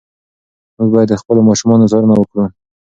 موږ باید د خپلو ماشومانو څارنه وکړو.